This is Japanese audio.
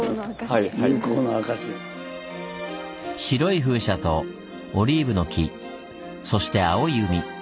白い風車とオリーブの木そして青い海。